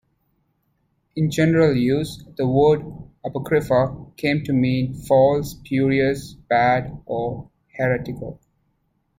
In general use, the word "apocrypha" came to mean "false, spurious, bad, or heretical.